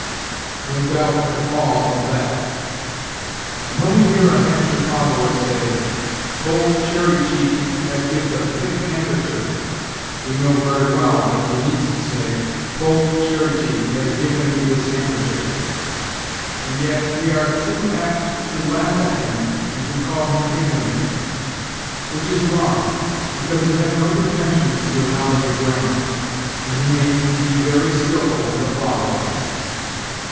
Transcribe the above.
_ No doubt at all of that! And when we hear a Hampshire ploughboy say, 'Poll Cherrycheek have giv'd a thick handkecher,' we know very well that he means to say, 'Poll Cherrycheek has given me this handkerchief'; and yet we are too apt to laugh at him and to call him ignorant; which is wrong, because he has no pretensions to a knowledge of grammar, and he may be very skillful as a ploughboy.